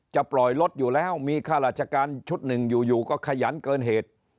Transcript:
ปล่อยรถอยู่แล้วมีค่าราชการชุดหนึ่งอยู่ก็ขยันเกินเหตุ